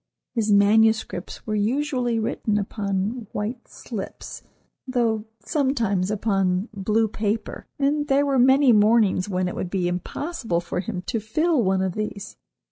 His manuscripts were usually written upon white "slips," though sometimes upon blue paper, and there were many mornings when it would be impossible for him to fill one of these.